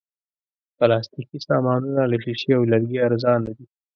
پلاستيکي سامانونه له شیشې او لرګي ارزانه دي.